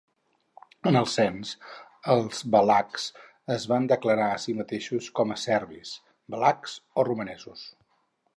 En els cens, els valacs es van declarar a sí mateixos com a serbis, valacs o romanesos.